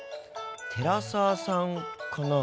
寺澤さんかな？